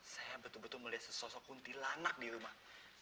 saya benar benar melihat sesosok kuntilanak di rumah